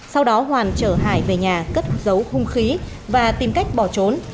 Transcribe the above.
sau đó hoàn trở hải về nhà cất dấu không khí và tìm cách bỏ trốn